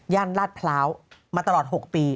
ย่านราดพร้าวมาตลอด๖ปี